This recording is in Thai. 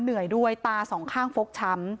เหนื่อยด้วยตาสองข้างฟกช้ำ